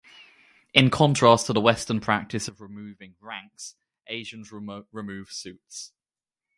In contrast to the Western practice of removing "ranks", Asians remove "suits".